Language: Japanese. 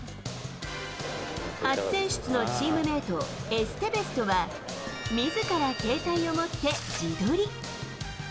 初選出のチームメート、エステベスとは、みずから携帯を持って自撮り。